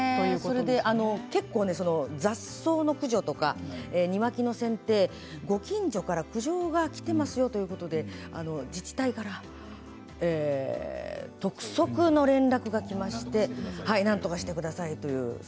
結構、雑草の駆除とか庭木のせんていご近所から苦情がきていますよということで自治体から督促の連絡がきましてなんとかしてくださいと。